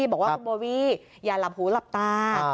บอกว่าคุณโบวี่อย่าหลับหูหลับตา